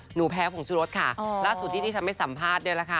แพ้ผงชุรสค่ะล่าสุดที่ที่ฉันไม่สัมภาษณ์เนี่ยแหละค่ะ